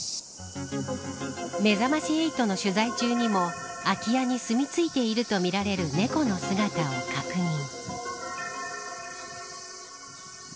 めざまし８の取材中にも空き家にすみ着いているとみられる猫の姿を確認。